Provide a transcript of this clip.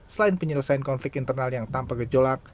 selain penyelesaian konflik internal yang tanpa gejolak